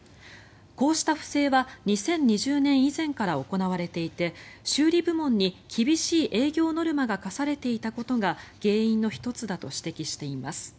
こうした不正は２０２０年以前から行われていて修理部門に厳しい営業ノルマが課されていたことが原因の１つだと指摘しています。